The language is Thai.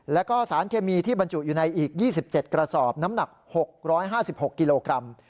แล้วก็สารเคมีที่บรรจุอยู่ในอีก๒๗กระสอบน้ำหนัก๖๕๖กิโลกรัม